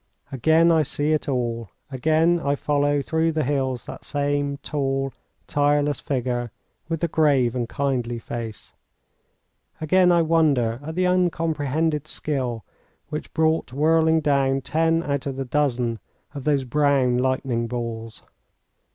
Again I see it all. Again I follow through the hills that same tall, tireless figure with the grave and kindly face. Again I wonder at the uncomprehended skill which brought whirling down ten out of the dozen of those brown lightning balls.